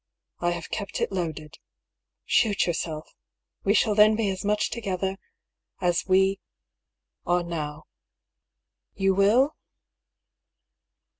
I have kept it loaded. Shoot yourself 1 We shall then be as much to gether as we are now. You will